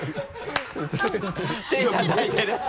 手たたいてる